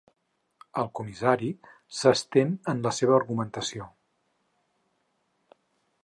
El comissari s'estén en la seva argumentació.